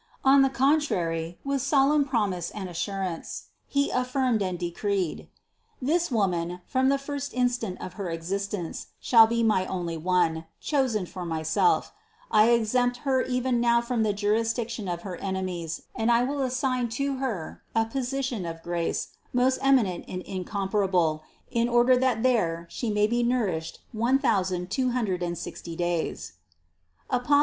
On the contrary, with solemn promise and assurance He affirmed and decreed: "This Woman, from the first in stant of her existence, shall be my only One, chosen for Myself; I exempt Her even now from the jurisdiction of her enemies and I will assign to Her a position of THE CONCEPTION 103 grace most eminent and incomparable, in order that there She may be nourished one thousand two hundred and sixty days" (Apos.